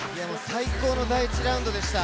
最高の第１ラウンドでした。